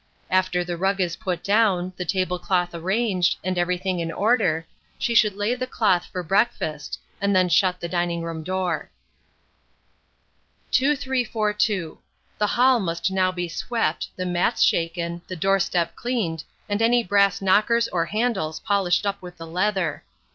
After the rug is put down, the table cloth arranged, and everything in order, she should lay the cloth for breakfast, and then shut the dining room door. 2342. The hall must now be swept, the mats shaken, the door step cleaned, and any brass knockers or handles polished up with the leather.